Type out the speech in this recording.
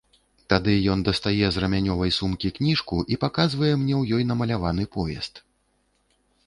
Тады ён дастае з рамнёвай сумкі кніжку і паказвае мне ў ёй намаляваны поезд.